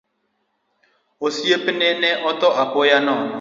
Osiepene ne otho apoya nono.